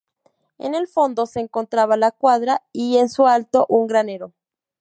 En el fondo se encontraba la cuadra y en su alto un granero.